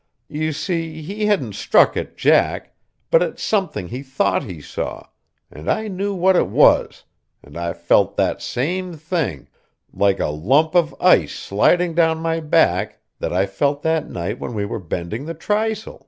You see, he hadn't struck at Jack, but at something he thought he saw, and I knew what it was, and I felt that same thing, like a lump of ice sliding down my back, that I felt that night when we were bending the trysail.